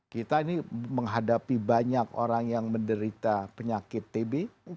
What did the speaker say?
kita ini menghadapi banyak orang yang menderita penyakit tb